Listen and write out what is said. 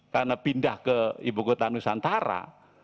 karena pindah ke ibu kota nusantara